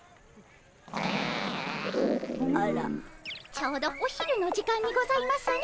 ちょうどお昼の時間にございますね。